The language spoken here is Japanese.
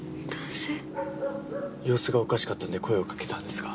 様子がおかしかったんで声をかけたんですが。